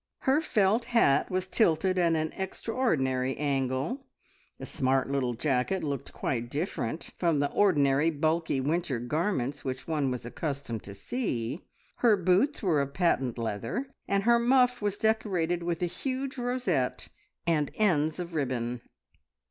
Her felt hat was tilted at an extraordinary angle; the smart little jacket looked quite different from the ordinary bulky winter garments which one was accustomed to see; her boots were of patent leather, and her muff was decorated with a huge rosette, and ends of ribbon.